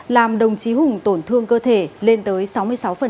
làm đồng chí hùng tổn thương cơ thể lên tới sáu mươi sáu